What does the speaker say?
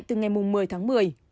từ ngày một mươi tháng một mươi